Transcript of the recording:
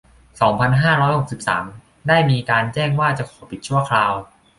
สองพันห้าร้อยหกสิบสาม ได้มีการแจ้งว่าจะขอปิดชั่วคราว